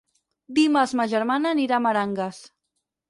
Dimarts ma germana anirà a Meranges.